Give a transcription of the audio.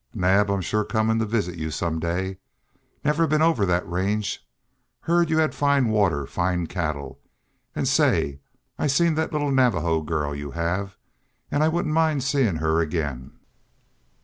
"Naab, I'm shore comin' to visit you some day. Never been over thet range. Heerd you hed fine water, fine cattle. An' say, I seen thet little Navajo girl you have, an' I wouldn't mind seein' her again."